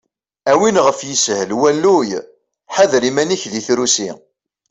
A win ɣef yeshel walluy, ḥader iman-ik di trusi!